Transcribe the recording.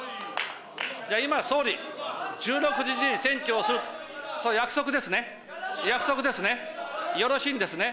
じゃあ、今、総理、１６日に選挙をする、それ、約束ですね？